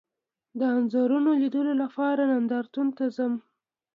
د انځورونو لیدلو لپاره نندارتون ته ځم